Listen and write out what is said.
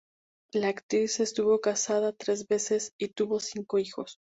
La actriz estuvo casada tres veces y tuvo cinco hijos.